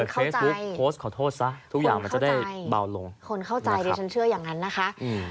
คนเข้าใจนะครับคนเข้าใจด้วยฉันเชื่ออย่างนั้นนะคะ